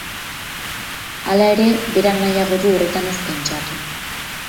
Hala ere, berak nahiago du horretan ez pentsatu.